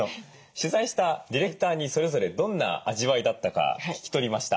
取材したディレクターにそれぞれどんな味わいだったか聞き取りました。